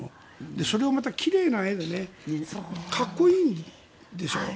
それをまた、奇麗な絵でかっこいいんですよ。